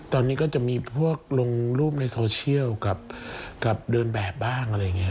ตอนนี้ก็จะมีพวกลงรูปในโซเชียลกับเดินแบบบ้างอะไรอย่างนี้